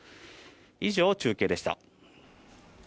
以上、中継でした。